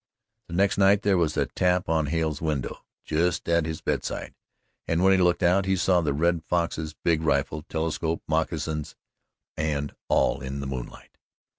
The next night there was a tap on Hale's window just at his bedside, and when he looked out he saw the Red Fox's big rifle, telescope, moccasins and all in the moonlight.